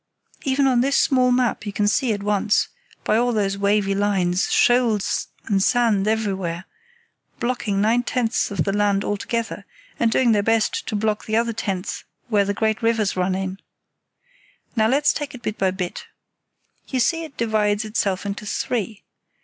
Even on this small map you can see at once, by all those wavy lines, shoals and sand everywhere, blocking nine tenths of the land altogether, and doing their best to block the other tenth where the great rivers run in. Now let's take it bit by bit. You see it divides itself into three.